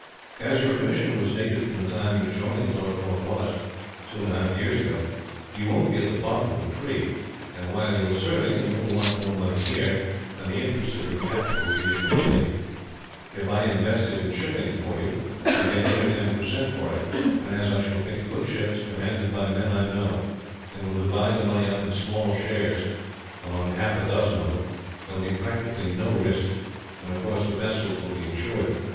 "As your commission was dated from the time you joined Lord Cornwallis, two and a half years ago, you won't be at the bottom of the tree, and while you are serving you will want no money here, and the interest of your capital will be accumulating. If I invest it in shipping for you, you will get eight or ten percent for it; and as I shall pick good ships, commanded by men I know, and will divide the money up in small shares, among half a dozen of them, there will be practically no risk and of course the vessels will be insured.